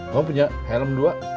kamu punya helm dua